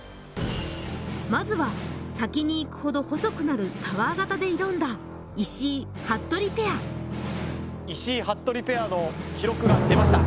まずは先にいくほど細くなるタワー形で挑んだ石井・服部ペア石井・服部ペアの記録が出ました